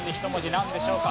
なんでしょうか？